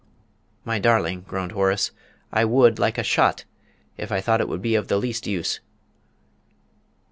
"My darling," groaned Horace, "I would, like a shot, if I thought it would be of the least use!"